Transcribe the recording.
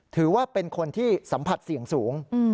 ถือว่าเป็นคนที่สัมผัสเสี่ยงสูง